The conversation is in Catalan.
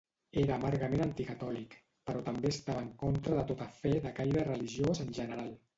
Era amargament anticatòlic però també estava en contra de tota fe de caire religiós en general.